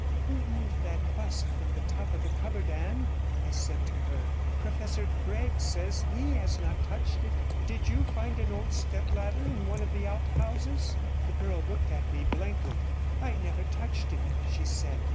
'Who moved that bust from the top of the cupboard, Anne?' I said to her. 'Professor Gregg says he has not touched it. Did you find an old step ladder in one of the outhouses?' The girl looked at me blankly. 'I never touched it,' she said.